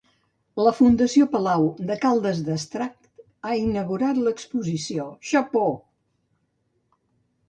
La Fundació Palau de Caldes d'Estrac ha inaugurat l'exposició Chapeau!